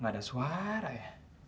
gak ada suara ya